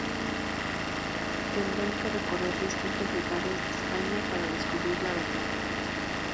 Tendrán que recorrer distintos lugares de España para descubrir la verdad.